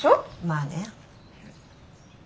まあね。